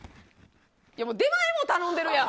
もう出前も頼んでるやん！